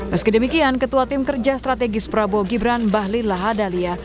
meskidemikian ketua tim kerja strategis prabowo gibran bahli lahadalia